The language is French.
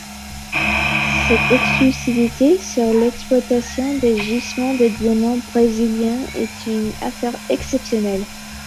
Cette exclusivité sur l'exploitation des gisements de diamants brésiliens est une affaire exceptionnelle.